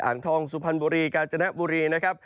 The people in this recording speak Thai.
อ่านทองสุพันธ์บุรีกาญจณะบุรีนะครับ